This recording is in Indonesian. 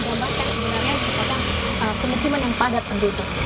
bahwa sebenarnya penerimaan yang padat penduduk